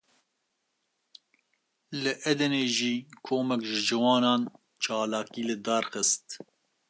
Li Edeneyê jî komek ji ciwanan çalakî lidar xist